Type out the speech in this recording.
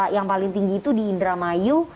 yang paling tinggi itu di indramayu